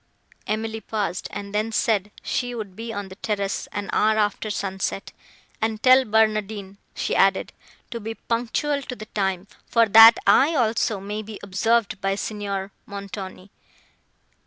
Emily paused, and then said she would be on the terrace, an hour after sunset;—"and tell Barnardine," she added, "to be punctual to the time; for that I, also, may be observed by Signor Montoni.